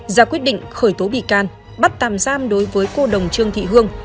ra quyết định khởi tố bị can bắt tạm giam đối với cô đồng trương thị hương